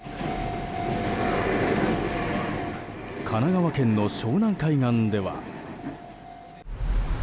神奈川県の湘南海岸では。